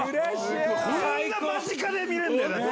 こんな間近で見れるんだよ。